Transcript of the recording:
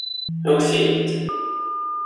Ewwet-iyi-d.